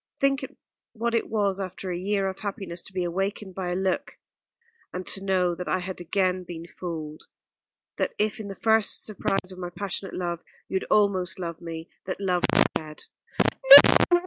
Think what it was after a year of happiness to be awakened by a look, and to know that I had again been fooled, and that if in the first surprise of my passionate love you had almost loved me, that love was dead."